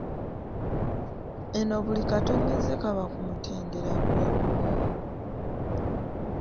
Eno buli katonnyeze kaba ku mutendera gwe gumu